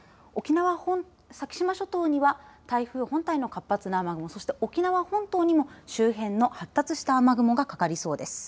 先島諸島には台風本体の活発な雨雲そして、沖縄本島にも周辺の発達した雨雲がかかりそうです。